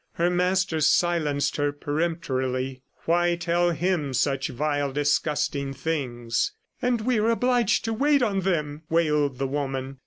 Her master silenced her peremptorily. Why tell him such vile, disgusting things? ... "And we are obliged to wait on them!" wailed the woman.